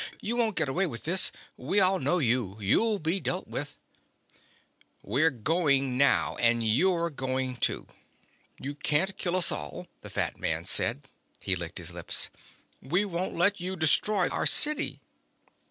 "You won't get away with this. We all know you. You'll be dealt with ..." "We're going now. And you're going too." "You can't kill us all," the fat man said. He licked his lips. "We won't let you destroy our city."